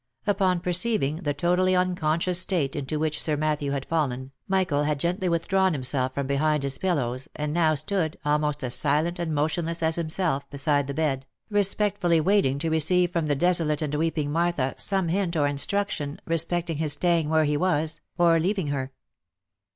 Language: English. Upon perceiving the totally unconscious state into which Sir Matthew had fallen, Michael had gently withdrawn himself from behind his pillows, and now stood, almost as silent and motionless as himself, beside the bed, respectfully waiting to receive from the desolate and weeping Martha some hint or instruction respecting his staying where he was, or leaving her.